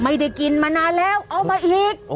ไม่ได้กินมานานแล้วเอามาอีก